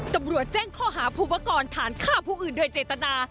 ตำรวจแจ้งข้อหาภูมิพวกก่อนฐานฆ่าผู้อื่นด้วยเจตนา